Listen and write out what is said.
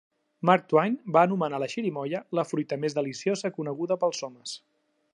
Mark Twain va anomenar la xirimoia "la fruita més deliciosa coneguda pels homes".